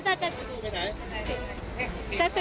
เทพสถิตแล้วไปที่ไหนอีก